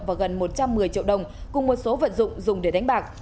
và gần một trăm một mươi triệu đồng cùng một số vận dụng dùng để đánh bạc